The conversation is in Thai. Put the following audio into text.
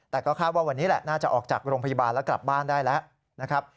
แต่ก็คาดว่าวันนี้แหละน่าจะออกจากโรงพยาบาลแล้วกลับบ้านได้แล้วนะครับ